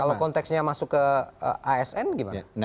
kalau konteksnya masuk ke asn gimana